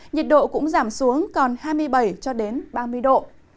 nhiệt độ cũng giảm xuống còn hai mươi bảy ba mươi độ